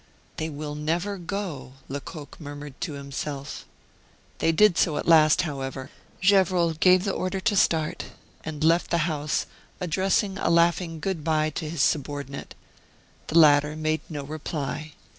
"They will never go!" Lecoq murmured to himself. They did so at last, however. Gevrol gave the order to start, and left the house, addressing a laughing good by to his subordinate. The latter made no reply.